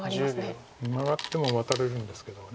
マガってもワタれるんですけど。